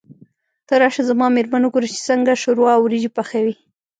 ته راشه زما مېرمن وګوره چې څنګه شوروا او وريجې پخوي.